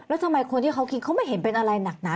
แล้วทำไมคนที่เขากินเขาไม่เห็นเป็นอะไรหนักหนา